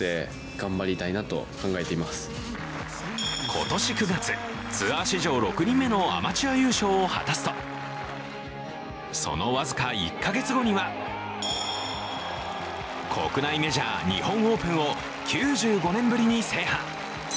今年９月、ツアー史上６人目のアマチュア優勝を果たすと、その僅か１か月後には、国内メジャー日本オープンを９５年ぶりに制覇。